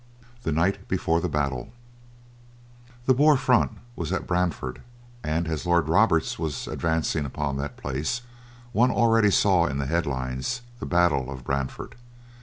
III THE NIGHT BEFORE THE BATTLE The Boer "front" was at Brandfort, and, as Lord Roberts was advancing upon that place, one already saw in the head lines, "The Battle of Brandfort."